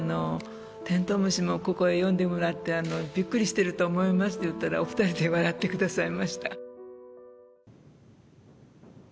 「テントウムシもここで詠んでもらってびっくりしてると思います」と言ったらお二人で笑ってくださいました。